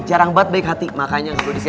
jarang banget baik hati makanya gue disini